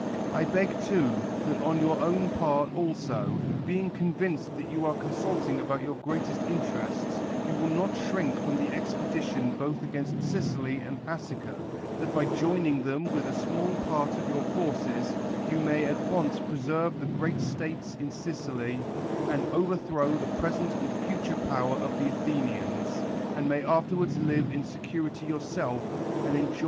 I beg, too, that on your own part also, being convinced that you are consulting about 3^our greatest interests, you will not shrink from the expedition both against Sicily and At tica; that by joining them with a small ])nrt of your forces, you may at once preserve the great states in Sicily, and overthrow the present and future power of the Athenians; and may after wards live in security yourselves, and enjo.